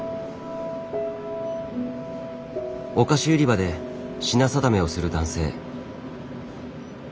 お菓子売り場で品定めをする男性。